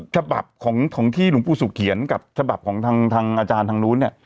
ฉบับของที่หลวงปู่สุขเขียนกับฉบับของทางอาจารย์ทางนู้นเนี่ย